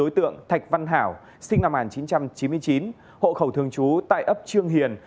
đối tượng thạch văn hảo sinh năm một nghìn chín trăm chín mươi chín hộ khẩu thường trú tại ấp trương hiền